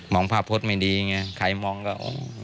มองภาพภศไม่ดีใครมองก็อะไรอย่างนี้